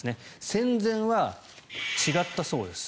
戦前は違ったそうです。